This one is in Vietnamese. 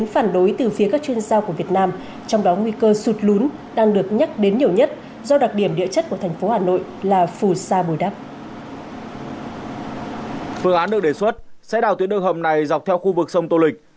phương án được đề xuất sẽ đào tuyến đường hầm này dọc theo khu vực sông tô lịch